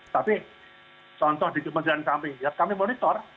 tapi contoh di kementerian kami ya kami monitor